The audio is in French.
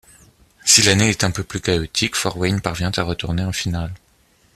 Si l'année est un peu plus cahotique, Fort Wayne parvient à retourner en finale.